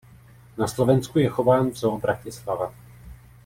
Na Slovensku je chován v Zoo Bratislava.